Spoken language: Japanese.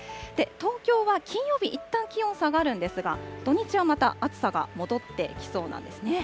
東京は金曜日いったん気温下がるんですが、土日はまた暑さが戻ってきそうなんですね。